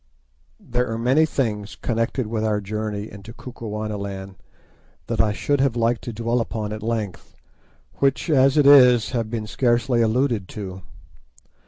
There are many things connected with our journey into Kukuanaland that I should have liked to dwell upon at length, which, as it is, have been scarcely alluded to.